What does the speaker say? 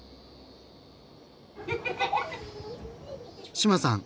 志麻さん